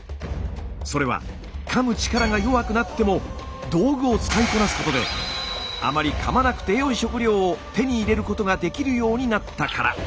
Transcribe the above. それはかむ力が弱くなっても道具を使いこなすことであまりかまなくてよい食料を手に入れることができるようになったから。